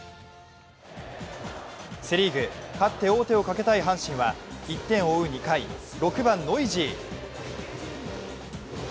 セ・リーグ、勝って王手をかけたい阪神は１点を追う２回、６番・ノイジー。